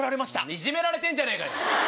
いじめられてんじゃねえかよ！